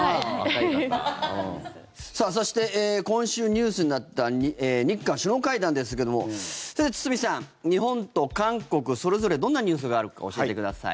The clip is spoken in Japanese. さあ、そして今週ニュースになった日韓首脳会談ですけども堤さん、日本と韓国それぞれどんなニュースがあるか教えてください。